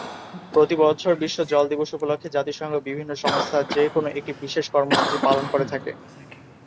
প্রতি বছর বিশ্ব জল দিবস উপলক্ষে জাতিসংঘের বিভিন্ন সংস্থার যে কোনো একটি বিশেষ কর্মসূচি পালন করে থাকে।